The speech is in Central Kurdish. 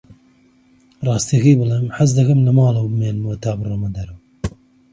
ڕاستییەکەی بڵێم، حەز دەکەم لە ماڵەوە بمێنمەوە تا بڕۆمە دەرەوە.